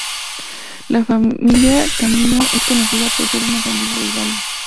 La familia Camino es conocida por ser una familia de hidalgo.